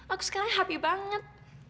aku sekarang happy banget